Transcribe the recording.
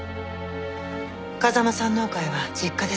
風間燦王会は実家です。